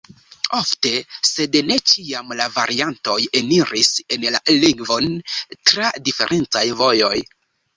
Ofte, sed ne ĉiam, la variantoj eniris en la lingvon tra diferencaj vojoj.